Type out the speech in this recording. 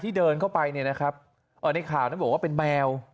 เดินเข้าไปเนี่ยนะครับในข่าวนั้นบอกว่าเป็นแมว